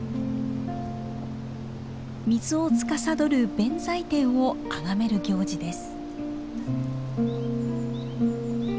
水をつかさどる弁財天をあがめる行事です。